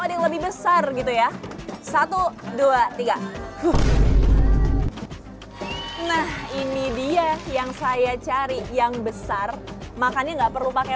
ada yang lebih besar gitu ya satu dua tiga nah ini dia yang saya cari yang besar makannya nggak perlu pakai